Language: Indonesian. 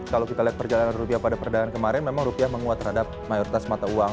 kalau kita lihat perjalanan rupiah pada perdagangan kemarin memang rupiah menguat terhadap mayoritas mata uang